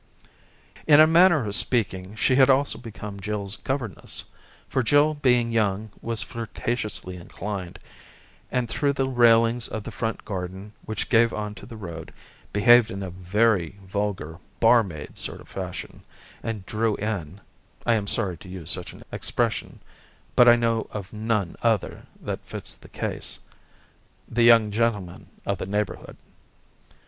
In a manner of speaking, she had also become Jill's gover ness, for Jill being young was flirtatiously inclined, and through the railings of the front garden, which gave on to the road, behaved in a very vulgar barmaid sort of fashion, and " drew in " (I am sorry to use such an expression, but I know of none other that fits the case) the young gentleman of the neighbour' hood.